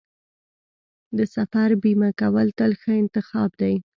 د سفر بیمه کول تل ښه انتخاب دی.